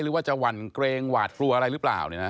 หรือว่าจะหวั่นเกรงหวาดกลัวอะไรหรือเปล่า